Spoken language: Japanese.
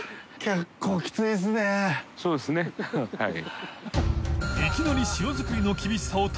そうですねはい。